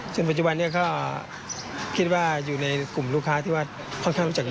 จนปัจจุบันนี้เขาคิดว่าอยู่ในกลุ่มลูกค้าที่ว่ามีที่ค่อนข้างรู้จักเยอะ